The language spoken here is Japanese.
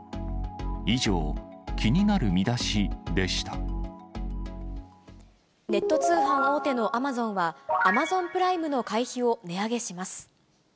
以上、ネット通販大手のアマゾンは、アマゾンプライムの会費を値上げします。